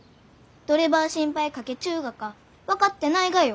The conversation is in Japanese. どればあ心配かけちゅうがか分かってないがよ。